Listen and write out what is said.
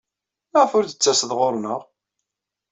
Maɣef ur d-tettased ɣer-neɣ?